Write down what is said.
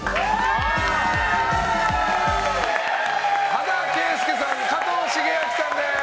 羽田圭介さん加藤シゲアキさんです。